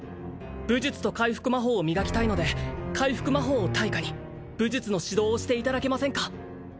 武術と回復魔法を磨きたいので回復魔法を対価に武術の指導をしていただけませんか？